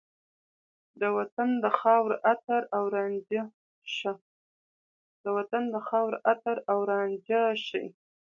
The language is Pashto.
د وطن د خاورو عطر او رانجه شي